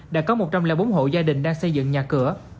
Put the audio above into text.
đã có một trăm linh bốn hộ gia đình đang xây dựng nhà cửa